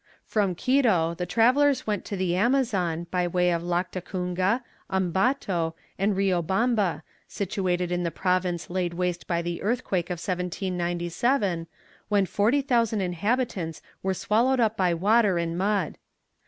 From Quito the travellers went to the Amazon by way of Lactacunga, Ambato and Rio Bamba situated in the province laid waste by the earthquake of 1797, when 40,000 inhabitants were swallowed up by water and mud.